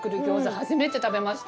初めて食べました。